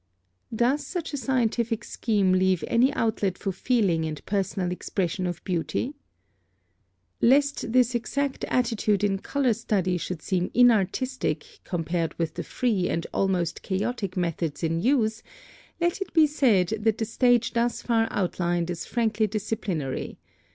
+Does such a scientific scheme leave any outlet for feeling and personal expression of beauty?+ (44) Lest this exact attitude in color study should seem inartistic, compared with the free and almost chaotic methods in use, let it be said that the stage thus far outlined is frankly disciplinary.